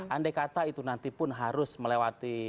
andai kata itu nanti pun harus melewati